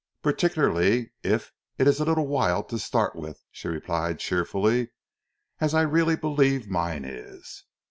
"Particularly if it is a little wild to start with," she replied cheerfully, "as I really believe mine is."